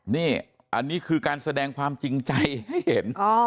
นี่อันนี้คือการแสดงความจริงใจให้เห็น